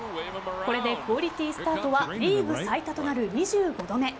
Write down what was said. これでクオリティースタートはリーグ最多となる２５度目。